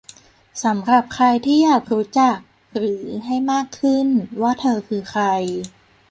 สำหรับใครที่อยากรู้จัก หรือ ให้มากขึ้น ว่าเธอคือใคร